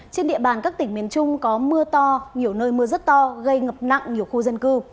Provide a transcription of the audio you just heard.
trên địa bàn các tỉnh miền trung có mưa to nhiều nơi mưa rất to gây ngập nặng nhiều khu dân cư